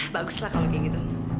bagus lah kalau kayak gitu